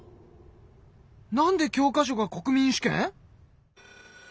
なんで教科書が国民主権？